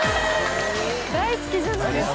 大好きじゃないですか。